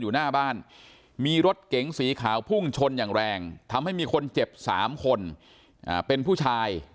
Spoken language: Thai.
อยู่หน้าบ้านมีรถเก๋งสีขาวพุ่งชนอย่างแรงทำให้มีคนเจ็บ๓คนเป็นผู้ชาย